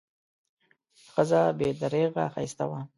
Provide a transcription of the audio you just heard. ښځه بې درېغه ښایسته وه.